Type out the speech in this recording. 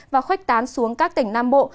và khuếch tán xuống các tỉnh nam bộ